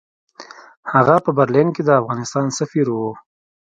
هغه په برلین کې د افغانستان سفیر وو.